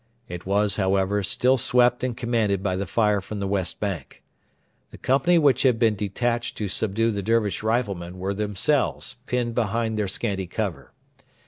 It was, however, still swept and commanded by the fire from the west bank. The company which had been detached to subdue the Dervish riflemen were themselves pinned behind their scanty cover.